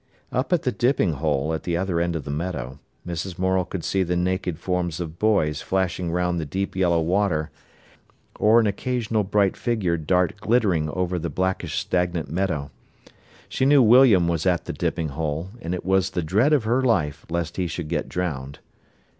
Up at the dipping hole, at the other end of the meadow, Mrs. Morel could see the naked forms of boys flashing round the deep yellow water, or an occasional bright figure dart glittering over the blackish stagnant meadow. She knew William was at the dipping hole, and it was the dread of her life lest he should get drowned.